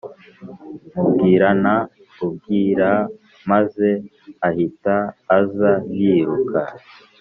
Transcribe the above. Mubwirana ubwira maze ahita aza yiruka